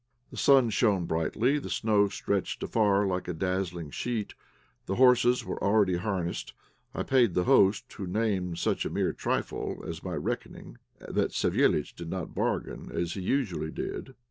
The sun shone brightly; the snow stretched afar like a dazzling sheet. The horses were already harnessed. I paid the host, who named such a mere trifle as my reckoning that Savéliitch did not bargain as he usually did.